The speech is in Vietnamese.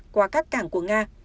và các cảng của nga